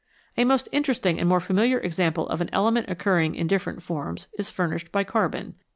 A most interesting and more familiar example of an element occurring in different forms is furnished by carbon.